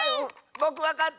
ぼくわかった！